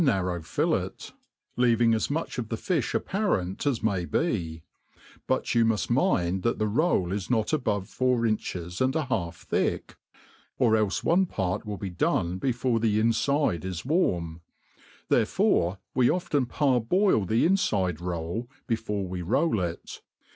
187 p airrow fillet, leaving ts much of the fi(b apparent as ina|r be; but you muft mind that the roll is not above fpur inches and a half thick, or clfc one part will be d6ne before the infide is warm ; therefore we often parboil the infide roll before we roll it.